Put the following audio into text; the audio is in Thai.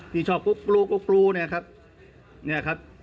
ที่ชอบกุ๊กลูกเนี่ยครับเนี่ยครับ